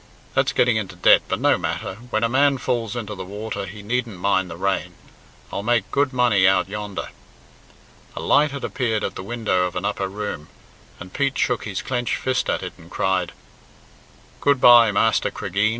That's getting into debt, but no matter. When a man falls into the water he needn't mind the rain. I'll make good money out yonder." A light had appeared at the window of an upper room, and Pete shook his clenched fist at it and cried, "Good bye, Master Cregeen.